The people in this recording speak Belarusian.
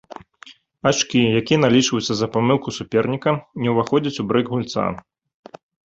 Ачкі, якія налічваюцца за памылку суперніка, не ўваходзяць у брэйк гульца.